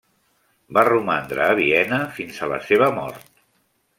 Va romandre a Viena fins a la seva mort.